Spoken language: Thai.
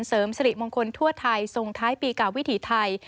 เสริมสิริมงคลทั่วไทยทรงท้ายปีเก่าวิถีไทย